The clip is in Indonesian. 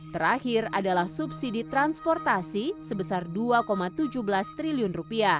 terakhir adalah subsidi transportasi sebesar rp dua tujuh belas triliun